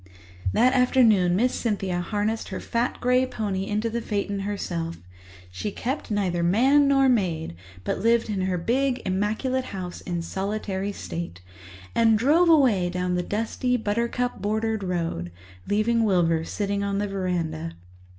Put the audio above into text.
That afternoon Miss Cynthia harnessed her fat grey pony into the phaeton herself—she kept neither man nor maid, but lived in her big, immaculate house in solitary state—and drove away down the dusty, buttercup bordered road, leaving Wilbur sitting on the verandah.